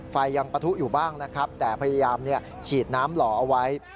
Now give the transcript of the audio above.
ไฟยังปะทุอยู่บ้างนะครับแต่พยายามฉีดน้ำหล่อเอาไว้